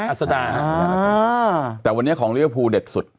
พี่อัทอัสดาแต่วันนี้ของเลี้ยวภูเด็ดสุด